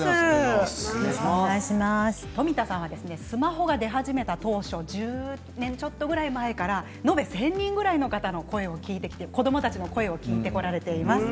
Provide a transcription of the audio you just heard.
冨田さんはスマホが出始めた当初１０年ちょっと前から延べ１０００人ぐらいの方の声を聞いて子どもたちの声を聞いてこられています。